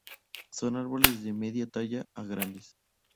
Son árboles de media talla a grandes.